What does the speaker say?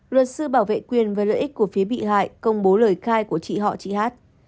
luật sư bảo vệ quyền và lợi ích của phía bị hại công bố lời khai của chị họ chị hát